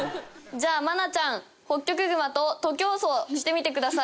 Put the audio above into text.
じゃあ愛菜ちゃんホッキョクグマと徒競走してみてください。